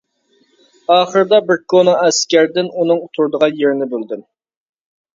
ئاخىرىدا، بىر كونا ئەسكەردىن ئۇنىڭ تۇرىدىغان يېرىنى بىلدىم.